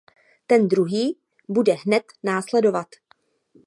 Ten druhý bude hned následovat.